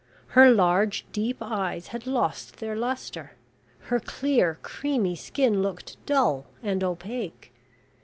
Her large deep eyes had lost their lustre, her clear creamy skin looked dull and opaque.